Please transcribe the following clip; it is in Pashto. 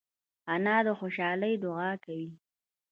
انا د خوشحالۍ دعا کوي